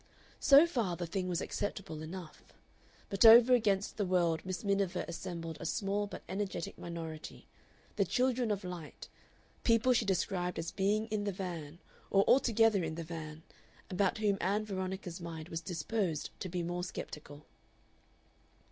So far the thing was acceptable enough. But over against the world Miss Miniver assembled a small but energetic minority, the Children of Light people she described as "being in the van," or "altogether in the van," about whom Ann Veronica's mind was disposed to be more sceptical.